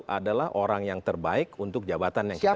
adalah orang yang terbaik untuk jabatan yang kita